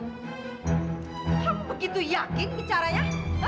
kamu begitu yakin bicaranya